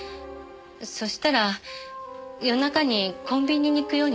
そしたら夜中にコンビニに行くようになって。